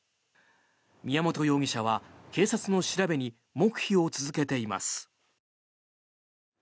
宮本容疑者は警察の調べに黙秘を続けています。